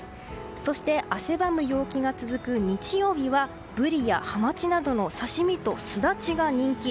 そして汗ばむ陽気が続く日曜日はブリやハマチなどの刺し身とスダチが人気。